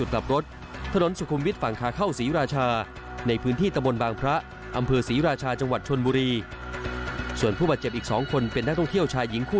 ก็ได้ฝืนนะแต่ไม่อยากห่วงไอ้พี่ด้วย